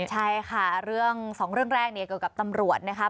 ใช่ค่ะเรื่องสองเรื่องแรกเนี่ยเกี่ยวกับตำรวจนะครับ